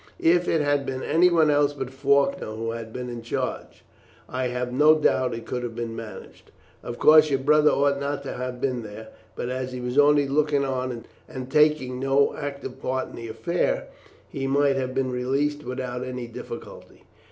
If it had been anyone else but Faulkner who had been in charge, I have no doubt it could have been managed. Of course, your brother ought not to have been there, but as he was only looking on, and taking no active part in the affair, he might have been released without any difficulty.